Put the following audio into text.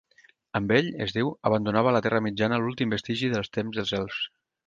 Amb ell, es diu, abandonava la Terra Mitjana l'últim vestigi del temps dels elfs.